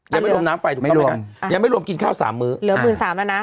ยังไม่รวมน้ำไฟถูกต้องไหมคะอย่างนั้นยังไม่รวมกินข้าว๓มื้อเหลือ๑๓๐๐๐แล้วนะค้าเช่า